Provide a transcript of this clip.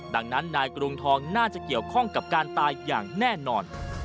ดังนั้นนายกรุงทองน่าจะเกี่ยวข้องกับการตายอย่างแน่นอน